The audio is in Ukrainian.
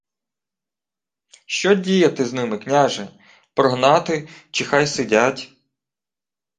— Що діяти з ними, княже? Прогнати, чи хай сидять?